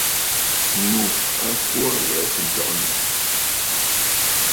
Ŋù a kwo aa tɨ̀ wɛʼɛ̀ ǹtɔ̀ʼɔ̀nə̀.